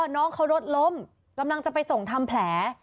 น้องเขารถล้มกำลังจะไปส่งทำแผล